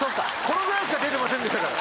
このぐらいしか出てませんでしたから。